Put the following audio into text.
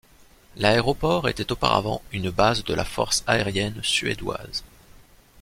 L'aéroport était auparavant une base de la Force aérienne suédoise.